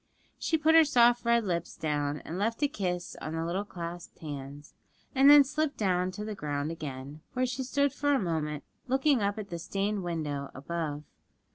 She put her soft red lips down and left a kiss on the little clasped hands, and then slipped down to the ground again, where she stood for a moment looking up at the stained window above.